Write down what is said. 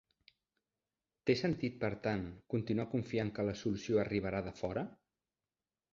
Té sentit, per tant, continuar confiant que la solució arribarà de fora?